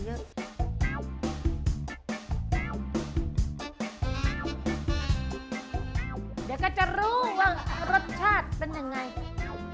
เดี๋ยวก็จะรู้ว่ารสชาติเป็นยังไง